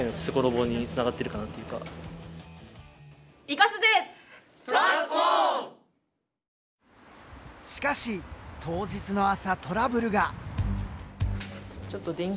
だけどしかし当日の朝トラブルが。